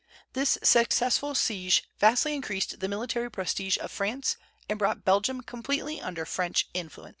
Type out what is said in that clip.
This successful siege vastly increased the military prestige of France, and brought Belgium completely under French influence.